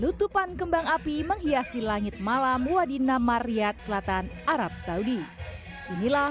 lutupan kembang api menghiasi langit malam wadidnamarriyad selatan arab saudi inilah